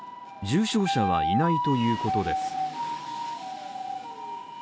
重傷者はいないということです。